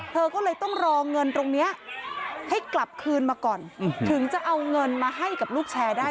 เธอก็เลยต้องรอเงินตรงนี้ให้กลับคืนมาก่อนถึงจะเอาเงินมาให้กับลูกแชร์ได้